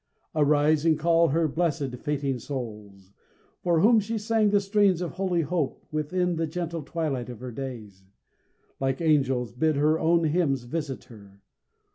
Arise and call her blessed, fainting souls! For whom she sang the strains of holy hope. Within the gentle twilight of her days, Like angels, bid her own hymns visit her.